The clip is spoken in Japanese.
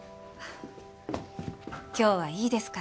今日はいいですから。